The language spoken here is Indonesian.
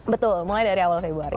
betul mulai dari awal februari